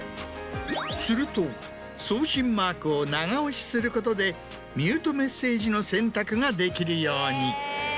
すると送信マークを長押しすることでミュートメッセージの選択ができるように。